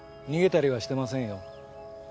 逃げたりはしてませんよ。